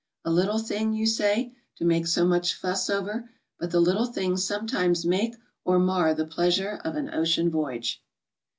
A little thing, you say, to make so much fuss over, but the little things sometimes make or mar the pleasure of an ocean voyage.